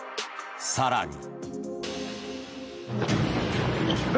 更に。